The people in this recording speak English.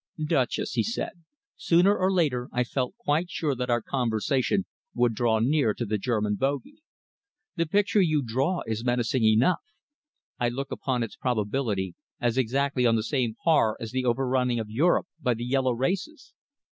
"Duchess," he said, "sooner or later I felt quite sure that our conversation would draw near to the German bogey. The picture you draw is menacing enough. I look upon its probability as exactly on the same par as the overrunning of Europe by the yellow races."